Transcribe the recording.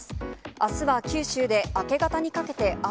あすは九州で明け方にかけて雨。